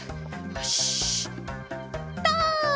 よしとう！